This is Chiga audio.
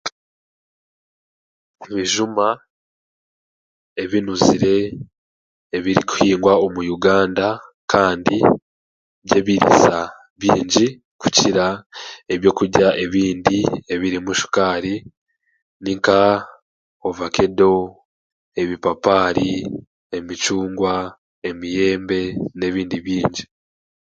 Ebijuma ebinuzire ebirikuhingwa omu Uganda kandi n'ebiriisa bingi kukira ebyokurya ebindi ebirimu shukaari ninka ovakedo, ebipapaari, emicungwa, emiyembe, n'ebindi bingi